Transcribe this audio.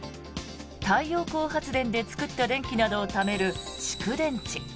太陽光発電で作った電気などをためる蓄電池。